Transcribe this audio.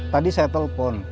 tadi saya telepon